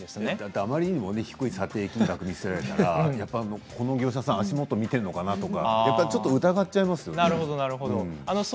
あまりにも低い査定金額を見せられるとこの業者さん足元を見ているのかなと疑っちゃいますよね。